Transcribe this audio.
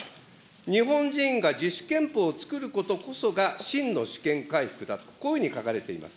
日本人が自主憲法をつくることこそが真の主権回復だと、こういうふうに書かれています。